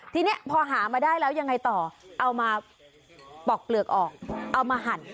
ทีนี้พอหามาได้แล้วยังไงต่อเอามาปอกเปลือกออกเอามาหั่น